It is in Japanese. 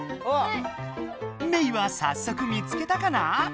メイはさっそく見つけたかな？